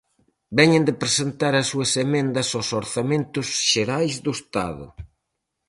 Veñen de presentar as súas emendas aos Orzamentos Xerais do Estado.